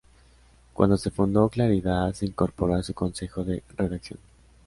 Cuando se fundó "Claridad" se incorporó a su Consejo de Redacción.